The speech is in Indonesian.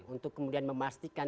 untuk kemudian memastikan